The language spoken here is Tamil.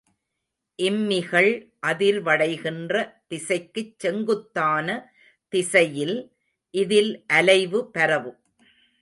இம்மிகள் அதிர்வடைகின்ற திசைக்குச் செங்குத்தான திசையில் இதில் அலைவு பரவும்.